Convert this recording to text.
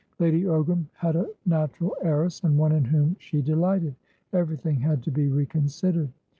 Lady Ogram had a natural heiress, and one in whom she delighted. Everything had to be reconsidered.